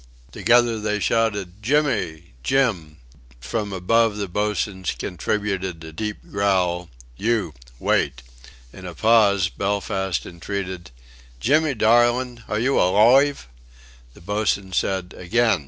Together they shouted: "Jimmy! Jim!" From above the boatswain contributed a deep growl: "You. Wait!" In a pause, Belfast entreated: "Jimmy, darlin', are ye aloive?" The boatswain said: "Again!